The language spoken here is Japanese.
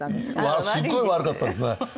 すごい悪かったですね。